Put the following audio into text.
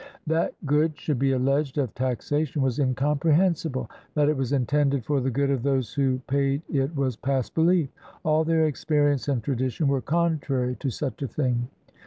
That good should be alleged of taxation was incompre hensible; that it was intended for the good of those who paid it was past belief. All their experience and tradi tion were contrary to such a thing.